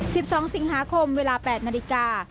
๑๒สิงหาคมเวลา๘นาฬิกา